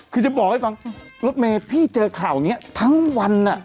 คือจะบอกให้ฟังรถเมย์พี่เจอข่าวอย่างนี้ทั้งวัน